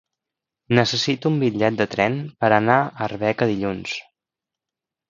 Necessito un bitllet de tren per anar a Arbeca dilluns.